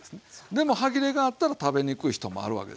でも歯切れがあったら食べにくい人もあるわけでしょ。